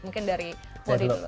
mungkin dari mouldie dulu